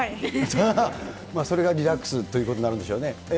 それがリラックスということになるんでしょうね。